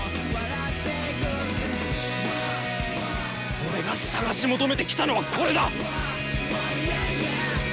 俺が探し求めてきたのはこれだ！